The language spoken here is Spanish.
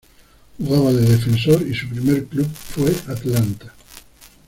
Jugaba de defensor y su primer club fue Atlanta.